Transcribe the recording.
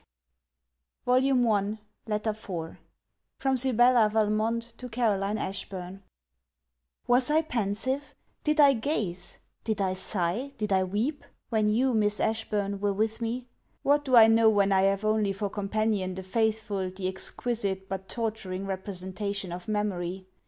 CAROLINE ASHBURN LETTER IV FROM SIBELLA VALMONT TO CAROLINE ASHBURN Was I pensive, did I gaze, did I sigh, did I weep, when you Miss Ashburn were with me what do I know when I have only for companion the faithful, the exquisite, but torturing representation of memory?